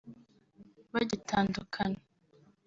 Bagitandukana